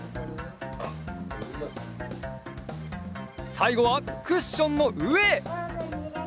さいごはクッションのうえ！